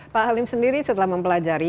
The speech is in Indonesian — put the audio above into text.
pak halim sendiri setelah mempelajari